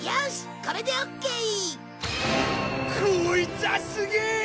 こいつはすげえ！